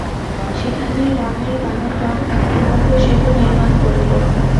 সেখানে রামের বানরগণ এক প্রকাণ্ড সেতু নির্মাণ করিল।